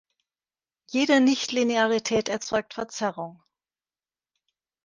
Jede Nichtlinearität erzeugt Verzerrung.